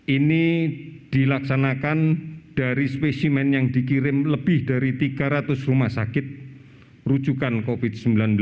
ini dilaksanakan dari spesimen yang dikirim lebih dari tiga ratus rumah sakit rujukan covid sembilan belas